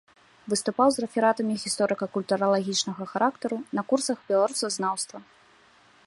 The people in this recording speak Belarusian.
Выступаў з рэфератамі гісторыка-культуралагічнага характару на курсах беларусазнаўства.